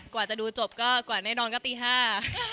กว่าจะดูจบก็กว่าแน่นอนก็ตีห้า